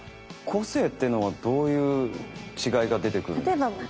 個性っていうのはどういう違いが出てくるんですか？